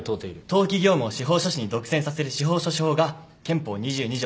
登記業務を司法書士に独占させる司法書士法が憲法２２条